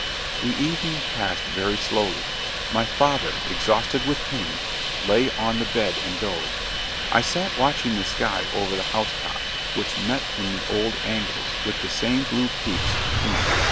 The evening passed very slowly. My father, exhausted with pain, lay on the bed and dozed. I sat watching the sky over the housetops, which met in the old angles, with the same blue peeps between.